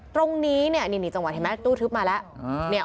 ตรงนี้เนี่ยนี่จังหวะเห็นไหมตู้ทึบมาแล้ว